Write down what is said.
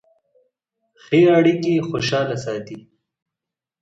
ښې اړیکې خوشحاله ساتي.